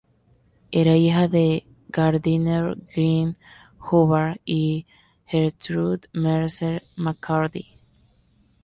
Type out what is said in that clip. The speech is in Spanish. Era hija de Gardiner Greene Hubbard y de Gertrude Mercer McCurdy.